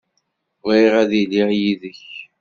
Bɣiɣ ad iliɣ yid-k.